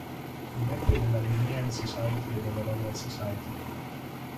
Fu membro della Linnean Society e della Royal Society.